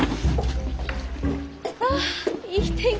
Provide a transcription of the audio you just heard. あっいい天気！